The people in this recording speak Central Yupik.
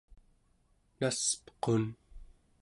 naspequn